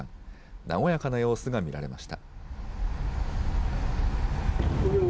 和やかな様子が見られました。